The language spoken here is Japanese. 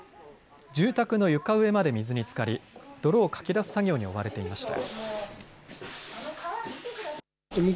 住宅の床上まで水につかり泥をかき出す作業に追われていました。